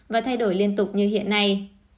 và thay đổi liên tục như hiện nay